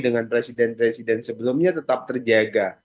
dengan presiden presiden sebelumnya tetap terjaga